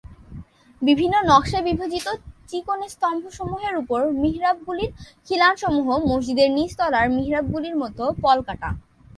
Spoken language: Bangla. বিভিন্ন নকশায় বিভাজিত চিকন স্তম্ভসমূহের উপর মিহরাবগুলির খিলানসমূহ মসজিদের নিচতলার মিহরাবগুলির মতো পলকাটা।